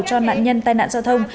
cho nạn nhân tai nạn giao thông